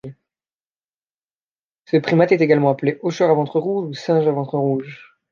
Ce primate est également appelé hocheur à ventre rouge ou singe à ventre rouge.